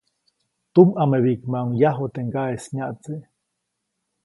Tumʼamebiʼkmaʼuŋ yaju teʼ ŋgaʼeʼis nyaʼtse.